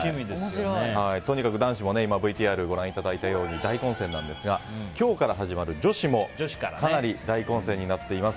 とにかく男子もＶＴＲをご覧いただいたように大混戦なんですが今日から始まる女子もかなり大混戦になっています。